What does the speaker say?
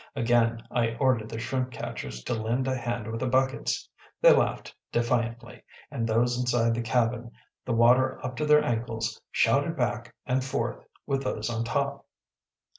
Again I ordered the shrimp catchers to lend a hand with the buckets. They laughed defiantly, and those inside the cabin, the water up to their ankles, shouted back and forth with those on top.